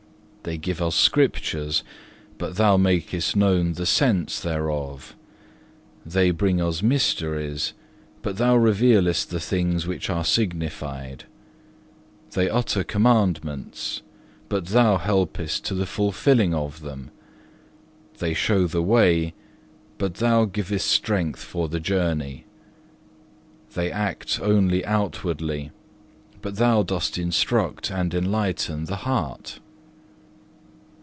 They give us scriptures, but Thou makest known the sense thereof. They bring us mysteries, but Thou revealest the things which are signified. They utter commandments, but Thou helpest to the fulfilling of them. They show the way, but Thou givest strength for the journey. They act only outwardly, but Thou dost instruct and enlighten the heart.